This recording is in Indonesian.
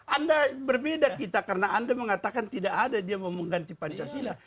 anda berbeda kita karena anda mengatakan tidak ada dia mau mengganti pancasila